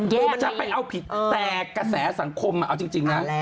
คือมันจะไปเอาผิดแต่กระแสสังคมเอาจริงนะ